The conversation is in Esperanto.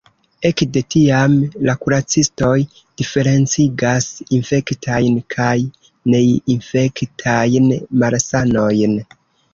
Ekde tiam la kuracistoj diferencigas infektajn kaj neinfektajn malsanojn.